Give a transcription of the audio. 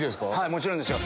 もちろんですよ。